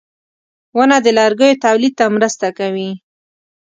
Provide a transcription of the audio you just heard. • ونه د لرګیو تولید ته مرسته کوي.